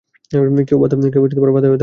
কেউ বাধা হয়ে দাঁড়াবে না।